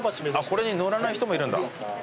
これに乗らない人もいるんだ。